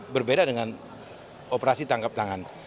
berbeda dengan operasi tangkap tangan